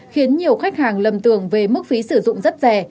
khiến nhiều khách hàng lầm tưởng về mức phí sử dụng rất rẻ